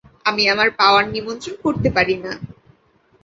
আমি আমার পাওয়ার নিয়ন্ত্রণ করতে পারি না।